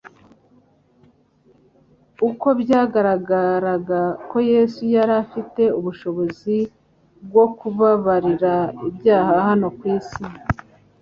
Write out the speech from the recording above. Uko byagaragaraga ko Yesu yari afite ubushobozi bwo kubababarira ibyaha hano ku isi,